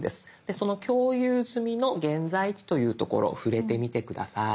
その「共有済みの現在地」という所触れてみて下さい。